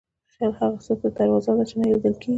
خیال هغه څه ته دروازه ده چې نه لیدل کېږي.